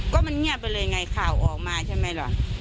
ก็มันเงียบไปเลยไงข่าวออกมาใช่ไหมล่ะ